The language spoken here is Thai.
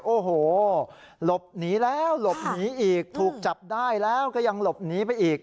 โอ้โหหลบหนีแล้วหลบหนีอีกถูกจับได้แล้วก็ยังหลบหนีไปอีก